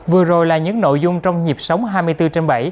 vừa rồi là những nội dung trong nhịp sống hai mươi bốn trên bảy